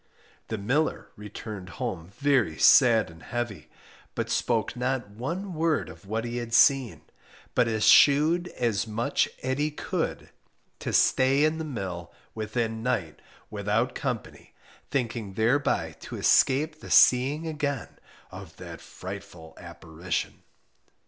The miller returned home very sad and heavy, but spoke not one word of what he had seen, but eschewed as much at he could to stay in the mill within night without company, thinking thereby to escape the seeing again of that frightful apparition.